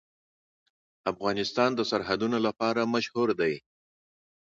افغانستان د سرحدونه لپاره مشهور دی.